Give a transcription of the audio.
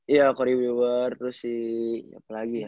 iya corey weaver terus si apa lagi ya